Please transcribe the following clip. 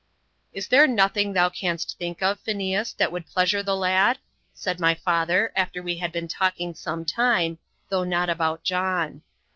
"Is there nothing thou canst think of, Phineas, that would pleasure the lad?" said my father, after we had been talking some time though not about John.